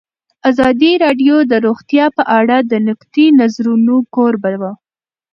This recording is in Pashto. ازادي راډیو د روغتیا په اړه د نقدي نظرونو کوربه وه.